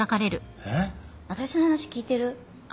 私の話聞いてる？